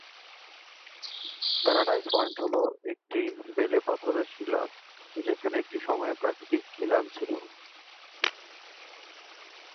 Paradise Point হল একটি বেলেপাথরের শিলা যেখানে একটি সময়ে প্রাকৃতিক খিলান ছিল।